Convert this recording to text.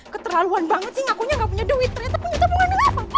keterlaluan banget sih ngakunya gak punya duit ternyata punya tabungan